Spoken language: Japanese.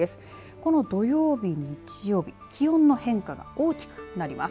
この土曜日、日曜日気温の変化が大きくなります。